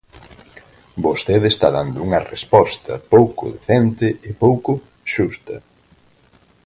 Vostede está dando unha resposta pouco decente e pouco xusta.